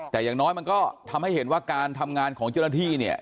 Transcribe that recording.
แต่อย่างน้อยมันก็ทำให้เห็นว่าการทำงานของเจ้าหน้าที่เนี่ย